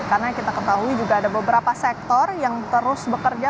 karena kita ketahui juga ada beberapa sektor yang terus bekerja